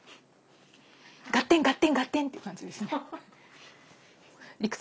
「ガッテンガッテンガッテン！」っていう感じですね。